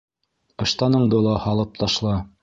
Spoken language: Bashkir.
Ыштаныңды ла һалып ташла...